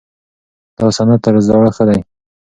دا سند تر زاړه ښه دی.